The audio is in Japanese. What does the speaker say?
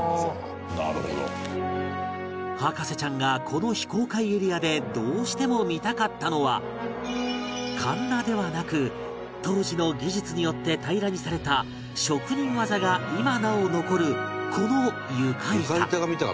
「なるほど」博士ちゃんがこの非公開エリアでどうしても見たかったのはかんなではなく当時の技術によって平らにされた職人技が今なお残るこの床板